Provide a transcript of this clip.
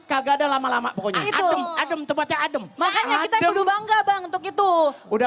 kagak ada lama lama pokoknya itu adem tempatnya adem makanya kita dulu bangga bang untuk itu udah